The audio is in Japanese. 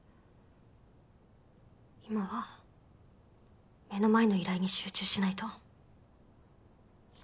今は目の前の依頼に集中しないと。